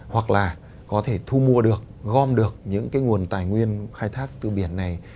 hoặc là có thể thu mua được gom được những cái nguồn tài nguyên khai thác từ biển này